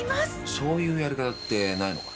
そういうやり方ってないのかな？